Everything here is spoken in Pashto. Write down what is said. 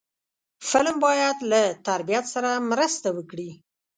فلم باید له تربیت سره مرسته وکړي